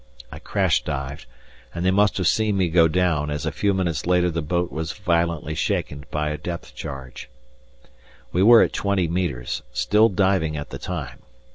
I crash dived, and they must have seen me go down, as a few minutes later the boat was violently shaken by a depth charge. We were at twenty metres, still diving at the time.